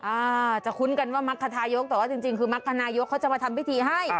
อ่าจะคุ้นกันว่ามักคทายกแต่ว่าจริงคือมรรคนายกเขาจะมาทำพิธีให้